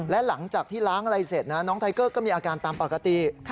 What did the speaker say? และหลังจากที่ล้างอะไรเสร็จนะน้องไทเกอร์ก็มีอาการตามปกติ